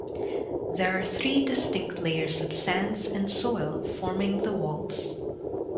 There are three distinct layers of sands and soil forming the Walls.